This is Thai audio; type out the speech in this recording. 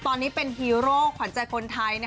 ตอนนี้เป็นฮีโร่ขวัญใจคนไทย